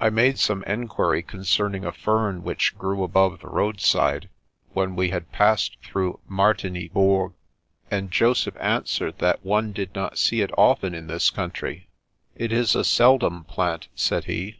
I made some enquiry concerning a fern which grew above the roadside, when we had passed through Martigny Bourg, and Joseph answered that one did not see it often in this country. " It is a seldom plant," said he.